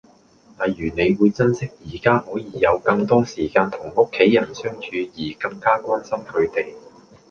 例如你會珍惜宜家可以有更多時間同屋企人相處而更加關心佢哋